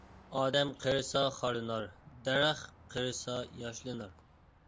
ئادەم قېرىسا خارلىنار، دەرەخ قېرىسا ياشلىنار.